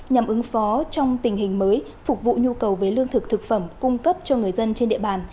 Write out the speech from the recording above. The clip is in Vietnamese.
nhằm ứng phó trong tình hình mới phục vụ nhu cầu về lương thực thực phẩm cung cấp cho người dân trên địa bàn